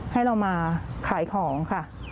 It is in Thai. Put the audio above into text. ให้เรามาขายของค่ะ